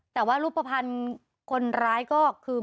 แต่ว่ารูปภัณฑ์คนร้ายก็คือ